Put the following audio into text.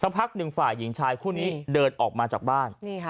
พักหนึ่งฝ่ายหญิงชายคู่นี้เดินออกมาจากบ้าน